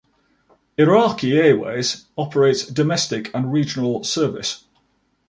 Iraqi Airways operates domestic and regional service.